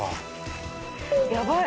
やばい！